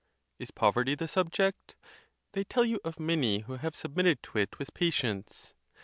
Is poverty the subject? They tell you of many who have submitted to it with patience.